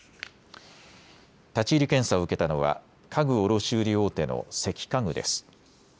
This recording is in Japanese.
立ち入り検査を受けたのは家具卸売大手の関家具です。